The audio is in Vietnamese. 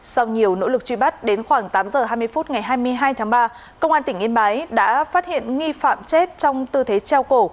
sau nhiều nỗ lực truy bắt đến khoảng tám h hai mươi phút ngày hai mươi hai tháng ba công an tỉnh yên bái đã phát hiện nghi phạm chết trong tư thế treo cổ